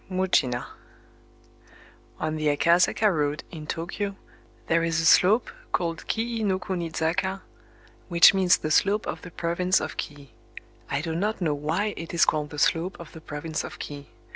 MUJINA On the Akasaka Road, in Tōkyō, there is a slope called Kii no kuni zaka,—which means the Slope of the Province of Kii. I do not know why it is called the Slope of the Province of Kii.